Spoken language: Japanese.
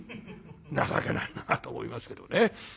情けないなあと思いますけどね。